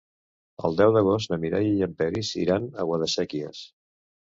El deu d'agost na Mireia i en Peris iran a Guadasséquies.